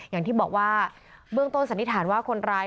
อย่างที่บอกว่าเบื้องต้นสันนิษฐานว่าคนร้าย